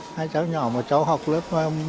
hai cháu nhỏ mà cháu học lớp bốn cháu học lớp một